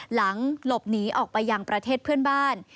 หลังหลบหนีออกไปยังประเทศเพื่อนบ้าน